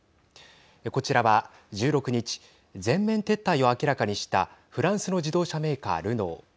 こちらは１６日全面撤退を明らかにしたフランスの自動車メーカールノー。